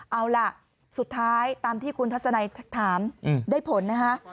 เอาล่ะสุดท้ายตามที่คุณทัศนัยถามได้ผลนะคะ